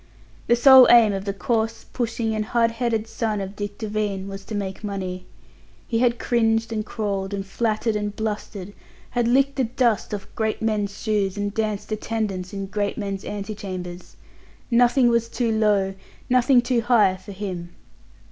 The sole aim of the coarse, pushing and hard headed son of Dick Devine was to make money. He had cringed and crawled and fluttered and blustered, had licked the dust off great men's shoes, and danced attendance in great men's ante chambers. Nothing was too low, nothing too high for him.